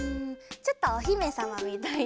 ちょっとおひめさまみたいに。